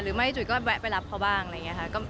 ไม่จุ๋ยก็แวะไปรับเขาบ้างอะไรอย่างนี้ค่ะ